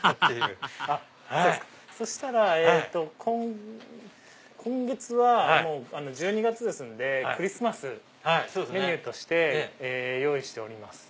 ハハハハハそしたら今月はもう１２月ですんでクリスマスメニューとして用意しております。